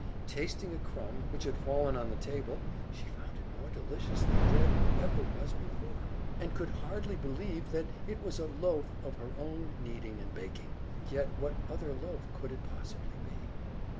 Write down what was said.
Tasting a crumb, which had fallen on the table, she found it more delicious than bread ever was before, and could hardly believe that it was a loaf of her own kneading and baking. Yet, what other loaf could it possibly be?